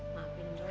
maafin lu ya bang